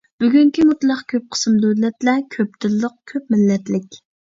بۈگۈنكى مۇتلەق كۆپ قىسىم دۆلەتلەر كۆپ تىللىق، كۆپ مىللەتلىك.